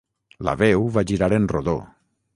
La veu va girar en rodó.